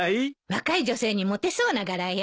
若い女性にモテそうな柄よ。